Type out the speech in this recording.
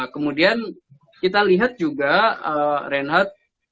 kemudian kita lihat juga reinhardt